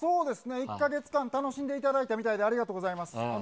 １か月間楽しんでいただいたみたいでありがとうございます。